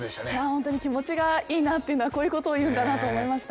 本当に気持ちがいいなというのはこういうことを言うんだなと思いました。